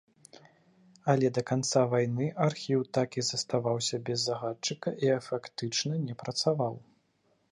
Але да канца вайны архіў так і заставаўся без загадчыка і фактычна не працаваў.